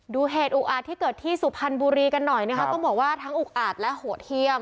ดูเหตุอุกอาจที่เกิดที่สุพรรณบุรีกันหน่อยนะคะต้องบอกว่าทั้งอุกอาจและโหดเยี่ยม